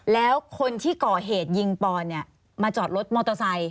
แล้วคนที่ก่อเหตุยิงปอนเนี่ยมาจอดรถมอเตอร์ไซค